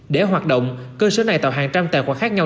để hoạt động cơ sở này tạo hàng trăm tài khoản khác nhau